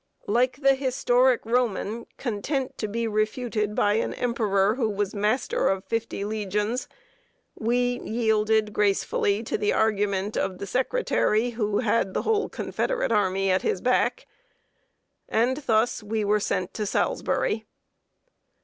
Like the historic Roman, content to be refuted by an emperor who was master of fifty legions, we yielded gracefully to the argument of the Secretary who had the whole Confederate army at his back; and thus we were sent to Salisbury.